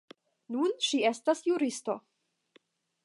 Nun ŝi estas juristo.